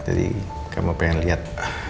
jadi kami pengen liat